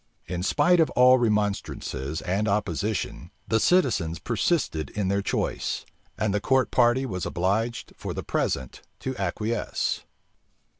In spite of all remonstrances and opposition, the citizens persisted in their choice; and the court party was obliged for the present to acquiesce.